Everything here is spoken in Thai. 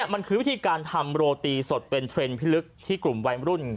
มันคือวิธีการทำโรตีสดเป็นเทรนด์พิลึกที่กลุ่มวัยรุ่น